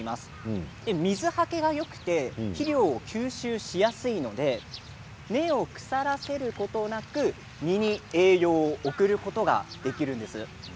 水はけがよくて肥料を吸収しやすいので根っこを腐らせることなく実に栄養を送ることができるんです。